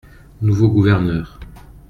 - Nouveau gouverneur.